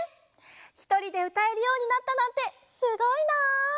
ひとりでうたえるようになったなんてすごいなあ！